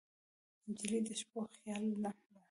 نجلۍ د شپو خیال ده.